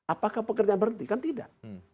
apakah pekerjaan berhenti kan tidak